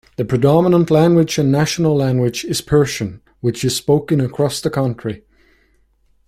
The predominant language and national language is Persian, which is spoken across the country.